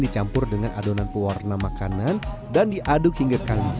dicampur dengan adonan pewarna makanan dan diaduk hingga kambing